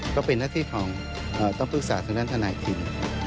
ก็เป็นหน้าที่ของต้องปรึกษาทางด้านทนายคิม